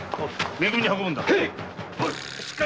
め組に運ぶんだ。